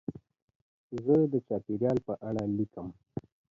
زه د چاپېریال په اړه لیکم.